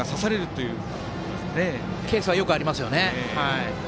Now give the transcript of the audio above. そういうケースはよくありますよね。